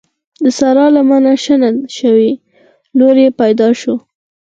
د سارا لمنه شنه شوه؛ لور يې پیدا شوه.